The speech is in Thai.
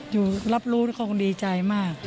อยู่รับรู้คงดีใจมาก